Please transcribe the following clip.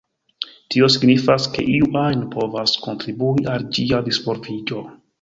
Tio signifas ke iu ajn povas kontribui al ĝia disvolviĝo.